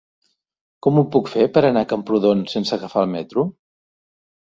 Com ho puc fer per anar a Camprodon sense agafar el metro?